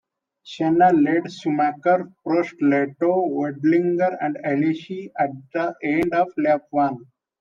Senna led Schumacher, Prost, Lehto, Wendlinger and Alesi at the end of lap one.